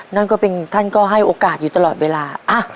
นั่นก็เป็นท่านก็ให้โอกาสอยู่ตลอดเวลา